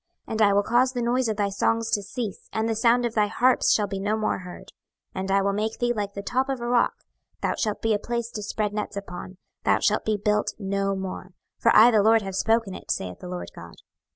26:026:013 And I will cause the noise of thy songs to cease; and the sound of thy harps shall be no more heard. 26:026:014 And I will make thee like the top of a rock: thou shalt be a place to spread nets upon; thou shalt be built no more: for I the LORD have spoken it, saith the Lord GOD.